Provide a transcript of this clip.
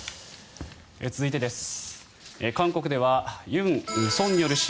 続いてです。